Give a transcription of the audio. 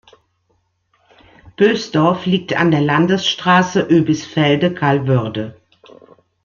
Bösdorf liegt an der Landesstraße Oebisfelde–Calvörde.